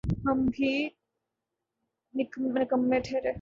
ہم بھی نکمّے ٹھہرے۔